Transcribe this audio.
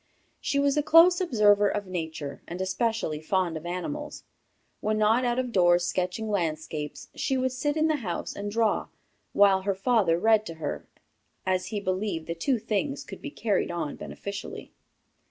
She was a close observer of nature, and especially fond of animals. When not out of doors sketching landscapes, she would sit in the house and draw, while her father read to her, as he believed the two things could be carried on beneficially.